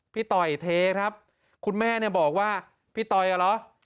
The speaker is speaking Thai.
ต่อยเทครับคุณแม่เนี่ยบอกว่าพี่ต่อยอ่ะเหรอ